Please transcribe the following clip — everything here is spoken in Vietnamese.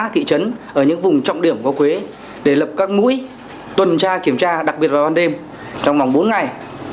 thị trấn ở những vùng trọng điểm của quế để lập các mũi tuần tra kiểm tra đặc biệt vào ban đêm trong vòng bốn ngày